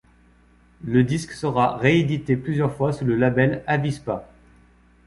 Le disque sera réédité plusieurs fois sous le label Avispa.